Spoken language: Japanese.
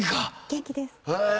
元気です。